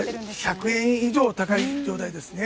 １００円以上高い状態ですね。